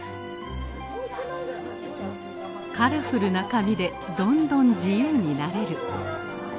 カラフルな紙でどんどん自由になれる。